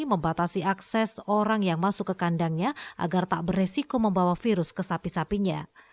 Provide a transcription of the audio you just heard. membatasi akses orang yang masuk ke kandangnya agar tak beresiko membawa virus ke sapi sapinya